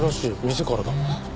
店からだ。